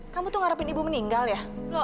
kamu tuh ngarapin ibu meninggal ya